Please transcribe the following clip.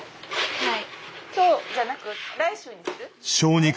はい。